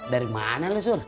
dari mana lu sur